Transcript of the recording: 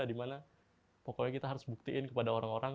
di mana pokoknya kita harus buktiin kepada orang orang